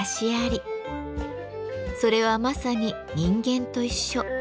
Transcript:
それはまさに人間と一緒。